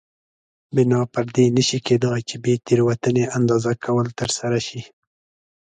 بنا پر دې نه شي کېدای چې بې تېروتنې اندازه کول ترسره شي.